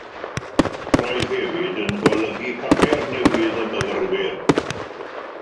Roedd hefyd yn golygu papur newydd y myfyrwyr.